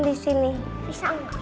di sini bisa mbak